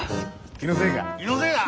気のせいだ。